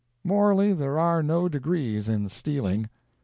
Mor ally, there are no degrees in stealing.